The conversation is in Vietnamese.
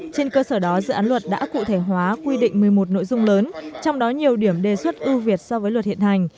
trên cơ sở đó dự án luật đã cụ thể hóa quy định một mươi một nội dung lớn trong đó nhiều điểm đề xuất ưu việt so với luật hiện hành